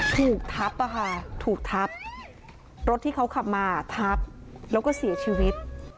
ถูกทับอะค่ะถูกทับรถที่เขาขับมาทับแล้วก็เสียชีวิต